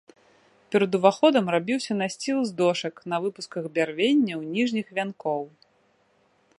Перад уваходам рабіўся насціл з дошак на выпусках бярвенняў ніжніх вянкоў.